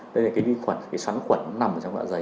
đây là cái vi khuẩn cái xoắn khuẩn nằm trong loại dày